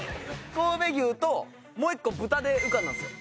神戸牛ともう一個豚で浮かんだんですよ。